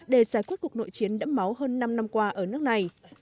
để giải quyết cuộc nội chiến đẫm máu hơn năm năm qua ở nước này